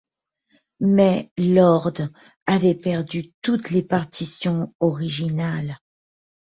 Mais Lord avait perdu toutes les partitions originales.